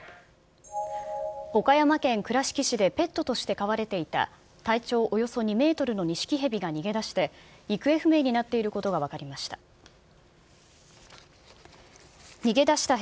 岡山県倉敷市でペットとして飼われていた体長およそ２メートルのニシキヘビが逃げ出して、行方不明になっていることが分かりました。